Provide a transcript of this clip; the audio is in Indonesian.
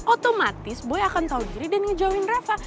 otomatis boy akan tau diri dan ngejoin reva